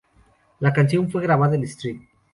La canción fue grabada en St.